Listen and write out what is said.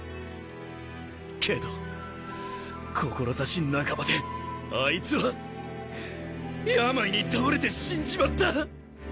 けど志半ばであいつは病に倒れて死んじまった！